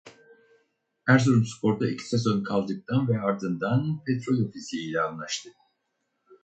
Erzurumspor'da iki sezon kaldıktan ve ardından Petrolofisi ile anlaştı.